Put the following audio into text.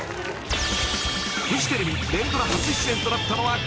［フジテレビ連ドラ初出演となったのはこの作品］